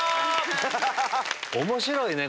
面白いね！